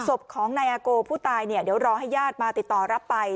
ศพของนายอาโกผู้ตายเนี่ยเดี๋ยวรอให้ญาติมาติดต่อรับไป